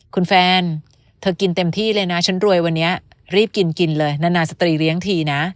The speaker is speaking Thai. คุณแฟนเธอกินเต็มที่เลยนะฉันรวยวันนี้รีบกินกินเลยนานสตรีเลี้ยงทีนะ